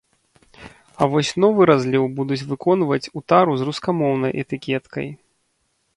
А вось новы разліў будуць выконваць у тару з рускамоўнай этыкеткай.